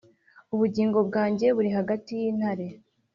Ubugingo bwanjye burihagati yintare